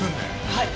はい。